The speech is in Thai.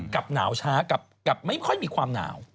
หนาวช้ากับไม่ค่อยมีความหนาว